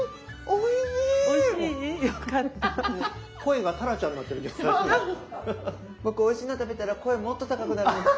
僕おいしいの食べたら声もっと高くなるんです。